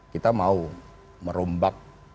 kita mau merombak